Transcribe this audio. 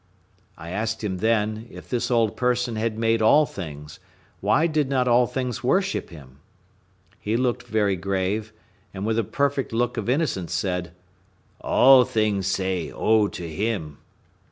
I asked him then, if this old person had made all things, why did not all things worship him? He looked very grave, and, with a perfect look of innocence, said, "All things say O to him."